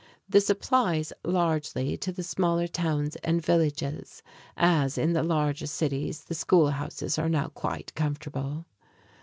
This applies largely to the smaller towns and villages, as in the larger cities the school houses are now quite comfortable.